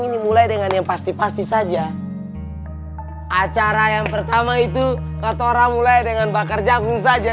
ini mulai dengan yang pasti pasti saja acara yang pertama itu ketora mulai dengan bakar jagung saja